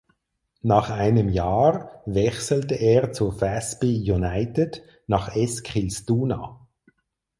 Nach einem Jahr wechselte er zu Väsby United nach Eskilstuna.